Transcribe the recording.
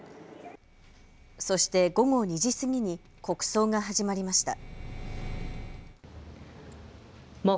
そして午後２時過ぎに国葬が始まりました。